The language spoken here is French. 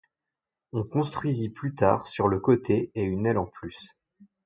On construisit plus tard sur le côté est une aile en plus.